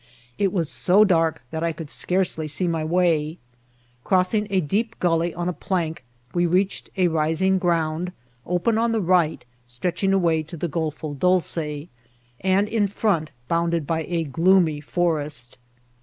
It was so dark that I could scarcely see my way. Crossing a deep gulley on a plank, we reached a rising ground, opea on the right, stretching away to the Golfo Dolce, and in front bounded by a gloomy forest.